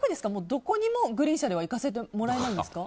どこにもグリーン車では行かせてもらえないんですか？